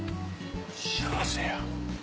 幸せや。